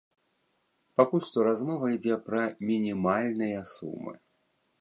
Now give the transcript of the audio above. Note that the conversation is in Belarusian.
Пакуль што размова ідзе пра мінімальныя сумы.